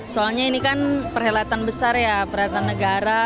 soalnya ini kan perhelatan besar ya perhelatan negara